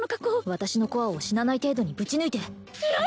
私のコア死なない程度にぶち抜いて何！？